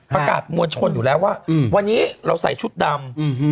ประกาศมวลชนอยู่แล้วว่าวันนี้เราใส่ชุดดำ